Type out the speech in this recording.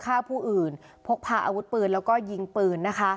ฆ่าผู้อื่นพกพาอาวุธปืนแล้วก็ยิงปืนนะคะ